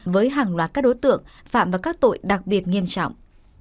với hàng loạt các đối tượng phạm vào các tội đặc biệt nghiêm trọng